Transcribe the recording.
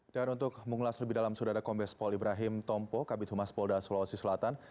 dan untuk mengulas lebih dalam sudah ada kombes paul ibrahim tompo kabinet humas polda sulawesi selatan